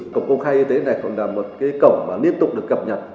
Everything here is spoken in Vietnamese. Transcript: cổng công khai y tế này còn là một cái cổng mà liên tục được cập nhật